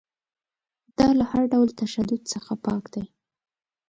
دا له هر ډول تشدد څخه پاک دی.